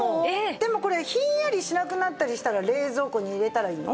でもこれひんやりしなくなったりしたら冷蔵庫に入れたらいいの？